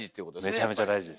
めちゃめちゃ大事です。